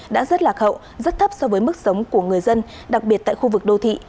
đã rất lạc hậu rất thấp so với mức sống của người dân đặc biệt tại khu vực đô thị